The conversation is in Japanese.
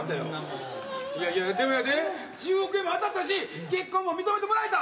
いやいやでもやで１０億円も当たったし結婚も認めてもらえた。